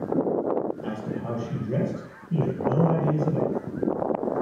As to how she dressed, he had no ideas at all.